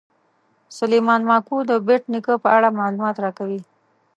سلیمان ماکو د بېټ نیکه په اړه معلومات راکوي.